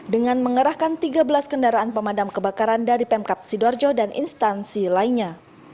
dengan mengerahkan tiga belas kendaraan pemadam kebakaran dari pemkap sidoarjo dan instansi lainnya